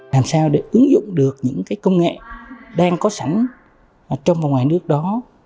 làm sao để ứng dụng được những công nghệ đang có sẵn trong và ngoài nước đó